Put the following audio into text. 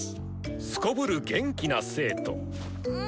すこぶる元気な生徒。